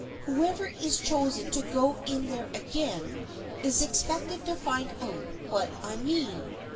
Who ever is chosen to go in there again is expected to find out what I mean.